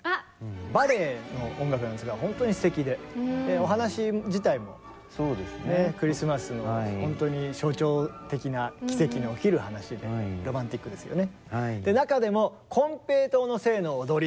バレエの音楽なんですがほんとにすてきでお話自体もクリスマスのほんとに象徴的な奇跡の起きる話でロマンティックですよね。